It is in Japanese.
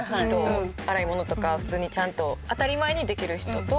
洗い物とか普通にちゃんと当たり前にできる人と。